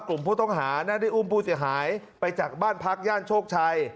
กลุ่มผู้ต้องหานั้นได้อุ้มผู้เสียหายไปจากบ้านพักย่านโชคชัย